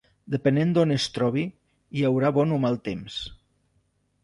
Depenent d'on es trobi, hi haurà bon o mal temps.